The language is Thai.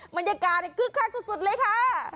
บรรยากาศในครึ่งครั้งสุดเลยค่ะ